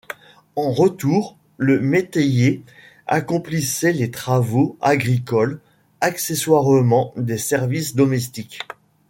En retour, le métayer accomplissait les travaux agricoles, accessoirement des services domestiques.